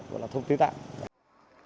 gọi là thông tin tạo